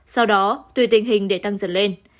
sau đó tùy tình hình để tăng dần lên